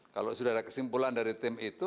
kalau sudah ada kesimpulan dari tim itu